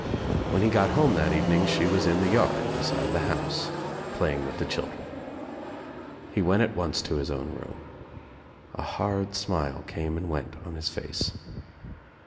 When he got home that evening she was in the yard beside the house playing with the children. He went at once to his own room. A hard smile came and went on his face.